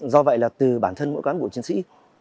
do vậy là từ bản thân mỗi cán bộ chiến sĩ